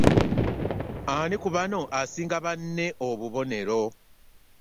Ani ku bano asinga banne obubonero?